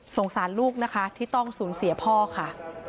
สารลูกนะคะที่ต้องสูญเสียพ่อค่ะ